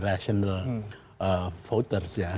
rational voters ya